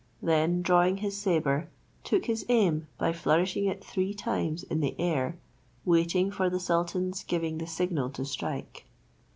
Then drawing his sabre, took his aim by flourishing it three times in the air, waiting for the sultan's giving the signal to strike.